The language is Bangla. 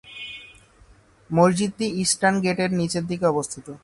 মসজিদটি ইস্টার্ন গেটের নীচের দিকে অবস্থিত।